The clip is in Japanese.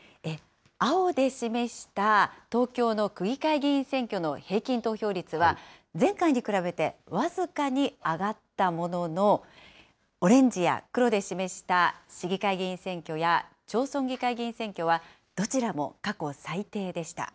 青で示した東京の区議会議員選挙の平均投票率は、前回に比べて僅かに上がったものの、オレンジや黒で示した市議会議員選挙や町村議会議員選挙は、どちらも過去最低でした。